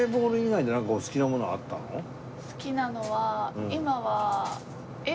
好きなのは今は。